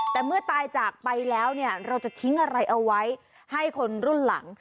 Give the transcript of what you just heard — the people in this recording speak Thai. แต่เมื่อตายจากไปแล้วเนี่ยเราจะทิ้งอะไรเอาไว้ให้คนรุ่นหลัง